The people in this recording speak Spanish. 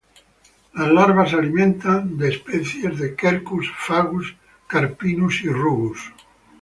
Las larvas se alimentan de especies de "Quercus", "Fagus", "Carpinus" y "Rubus".